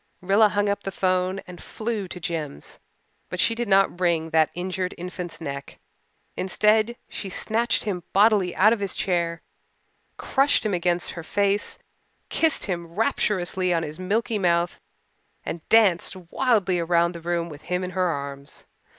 Rilla hung up the 'phone and flew to Jims. But she did not wring that injured infant's neck. Instead she snatched him bodily out of his chair, crushed him against her face, kissed him rapturously on his milky mouth, and danced wildly around the room with him in her arms.